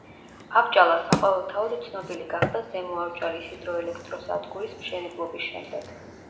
ავჭალა საყოველთაოდ ცნობილი გახდა ზემო ავჭალის ჰიდროელექტროსადგურის მშენებლობის შემდეგ.